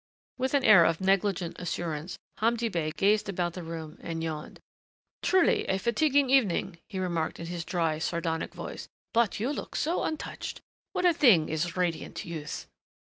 With an air of negligent assurance Hamdi Bey gazed about the room and yawned. "Truly a fatiguing evening," he remarked in his dry, sardonic voice. "But you look so untouched! What a thing is radiant youth."